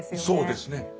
そうですね。